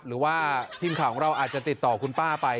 หรือว่าทีมข่าวของเราอาจจะติดต่อคุณป้าไป